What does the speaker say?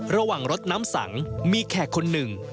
ระหว่างรถน้ำสังมีแขกคนหนึ่ง